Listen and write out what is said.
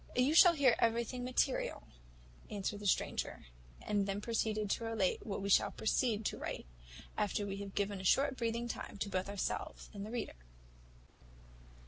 "You shall hear everything material," answered the stranger; and then proceeded to relate what we shall proceed to write, after we have given a short breathing time to both ourselves and the reader.